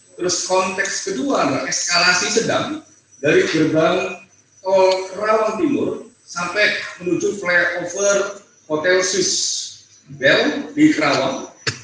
terus konteks kedua eskalasi sedang dari gerbang tol kerawang timur sampai menuju flyover hotel sus bell di kerawang